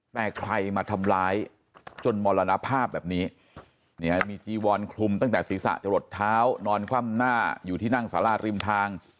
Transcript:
แต่ใครมาทำร้ายจนมรณภาพแบบนี้มีจีวอนคลุมตั้งแต่ศีรษะจะหลดเท้านอนคว่ำหน้าอยู่ที่นั่งสาราริมทาง